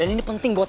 nah aja tante